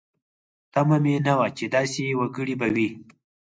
تمه مې نه وه چې داسې وګړي به وي.